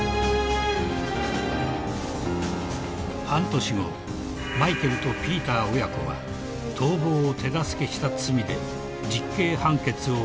［半年後マイケルとピーター親子は逃亡を手助けした罪で実刑判決を受けた］